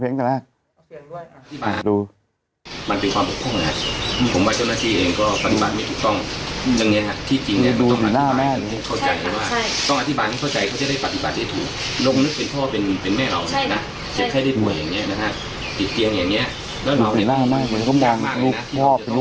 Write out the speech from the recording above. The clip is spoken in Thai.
พ่อนี่อะไรมาแล้วต้องเอารถเอาอะไรไปอย่างเงี้ยแล้วมันมันถูกต้องหรอ